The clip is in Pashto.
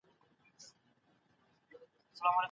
واوره په جامو باندې کښېناسته او ویلي شوه.